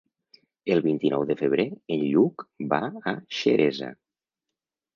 El vint-i-nou de febrer en Lluc va a Xeresa.